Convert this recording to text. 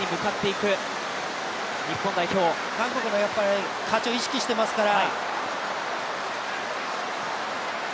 韓国も勝ちを意識していますから。